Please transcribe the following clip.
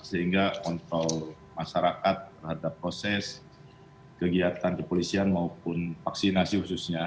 sehingga kontrol masyarakat terhadap proses kegiatan kepolisian maupun vaksinasi khususnya